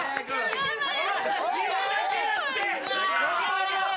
頑張れ！